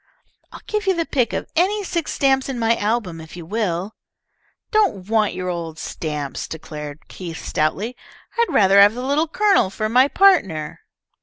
"I'll give you the pick of any six stamps in my album if you will." "Don't want your old stamps," declared Keith, stoutly. "I'd rather have the Little Colonel for my partner."